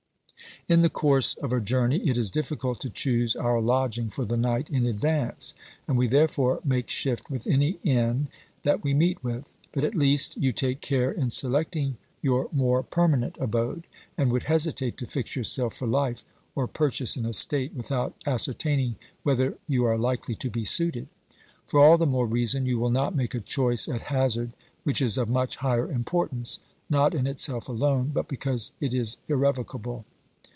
368 OBERMANN In the course of a journey it is difficult to choose our lodging for the night in advance, and we therefore make shift with any inn that we meet with ; but at least you take care in selecting your more permanent abode, and would hesitate to fix yourself for life, or purchase an estate, without ascertaining whether you are likely to be suited. For all the more reason you will not make a choice at hazard which is of much higher importance, not in itself alone but because it is irrevocable.